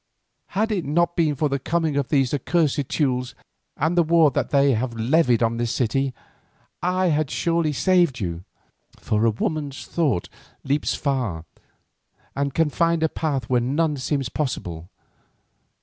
Had it not been for the coming of these accursed Teules, and the war that they have levied in the city, I had surely saved you, for a woman's thought leaps far, and can find a path where none seems possible.